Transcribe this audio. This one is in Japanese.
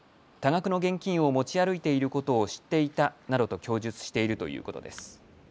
多額の現金を持ち歩いていることを知っていたなどと供述しているということです。